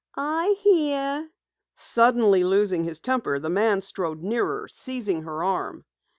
"I hear." Suddenly losing his temper, the man strode nearer, seizing her arm.